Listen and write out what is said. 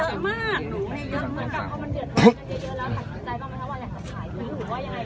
มันก็เยอะแล้วค่ะใจบ้างมันถ้าว่าเนี้ยหายไปหรือว่ายังไงหรือว่า